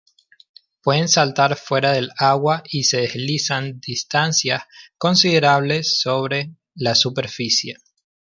Puede saltar fuera del agua y se deslizan distancias considerables sobre la superficie.